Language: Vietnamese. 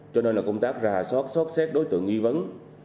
cho nên là công tác ra sót xét đối tượng nghi vấn